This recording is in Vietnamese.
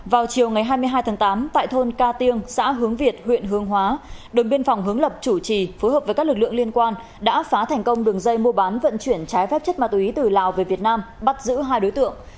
vào chiều ngày hai mươi hai tháng tám tại thôn ca tiêng xã hướng việt huyện hương hóa đồn biên phòng hướng lập chủ trì phối hợp với các lực lượng liên quan đã phá thành công đường dây mua bán vận chuyển trái phép chất ma túy từ lào về việt nam bắt giữ hai đối tượng